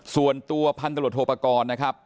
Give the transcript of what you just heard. ส่วนตัวพันตรวจโทปกรณ์นะครับ